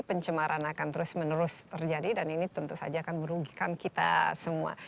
pencemaran akan terus menerus terjadi dan ini tentu saja akan merugikan kita semua